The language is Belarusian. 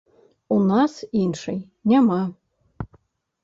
У нас іншай няма.